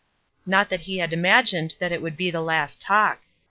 Not that he had imagined that it would be the last talk.